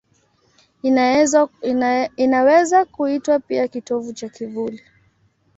Inaweza kuitwa pia kitovu cha kivuli.